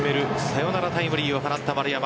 サヨナラタイムリーを放った丸山。